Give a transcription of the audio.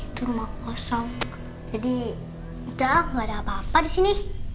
itu rumah kosong jadi udah gak ada apa apa di sini